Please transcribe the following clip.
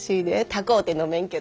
高うて飲めんけど。